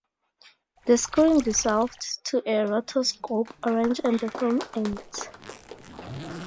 The screen dissolves to a rotoscope orange and the film ends.